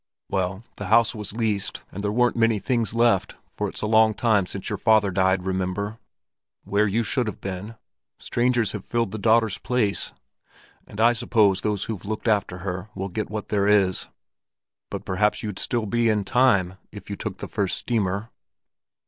"Well, the house was leased, and there weren't many things left, for it's a long time since your father died, remember. Where you should have been, strangers have filled the daughter's place; and I suppose those who've looked after her will get what there is. But perhaps you'd still be in time, if you took the first steamer."